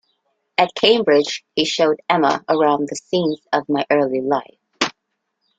At Cambridge he showed Emma around the "scenes of my early life".